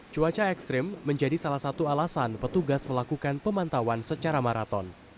cuaca ekstrim menjadi salah satu alasan petugas melakukan pemantauan secara maraton